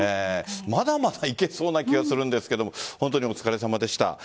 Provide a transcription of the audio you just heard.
まだまだいけそうな気がするんですが本当にお疲れさまでした。